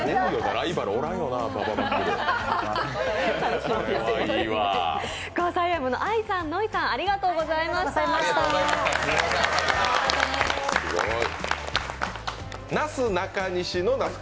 ライバルおらんよな、馬場マックルー。